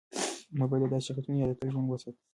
موږ باید د داسې شخصیتونو یاد تل ژوندی وساتو.